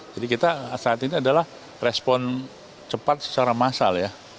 jadi kita saat ini adalah respon cepat secara massal ya